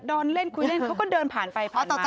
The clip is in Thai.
นอนเล่นคุยเล่นเขาก็เดินผ่านไปเพราะต่อ